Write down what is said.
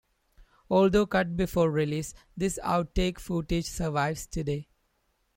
Although cut before release, this outtake footage survives today.